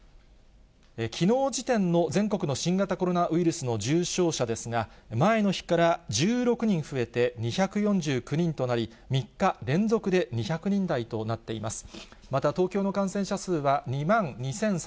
きのう時点の全国の新型コロナウイルスの重症者ですが、前の日から１６人増えて２４９人となり、３日連続で２００人台となっています。